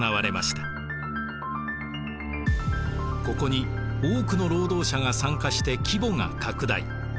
ここに多くの労働者が参加して規模が拡大。